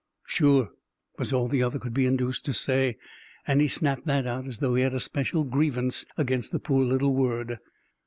"Sure," was all the other could be induced to say, and he snapped that out as though he had a special grievance against the poor little word.